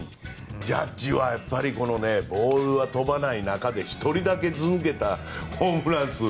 ジャッジはボールが飛ばない中で１人だけずば抜けたホームラン数。